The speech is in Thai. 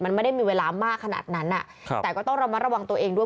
มันไม่ได้มีเวลามากขนาดนั้นแต่ก็ต้องระมัดระวังตัวเองด้วย